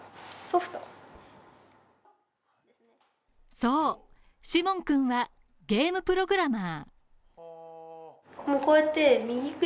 そうシモンくんはゲームプログラマー